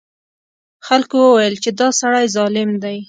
خلکو وویل چې دا سړی ظالم دی.